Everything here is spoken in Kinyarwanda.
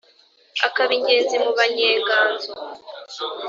akaba ingenzi mu banyenganzo.